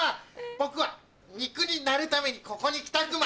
僕は肉になるためにここに来たクマ。